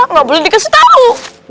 nggak boleh dikasih tahu